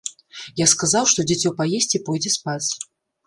Я сказаў, што дзіцё паесць і пойдзе спаць.